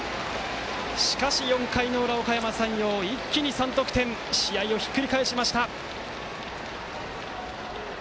しかし４回の裏、おかやま山陽一気に３得点して試合をひっくり返しました。